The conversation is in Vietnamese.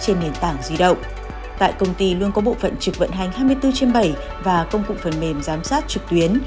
trên nền tảng di động tại công ty luôn có bộ phận trực vận hành hai mươi bốn trên bảy và công cụ phần mềm giám sát trực tuyến